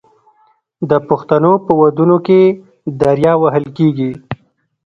د پښتنو په ودونو کې دریا وهل کیږي.